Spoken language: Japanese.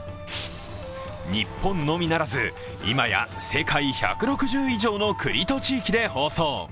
日本のみならず、今や世界１６０以上の国と地域で放送。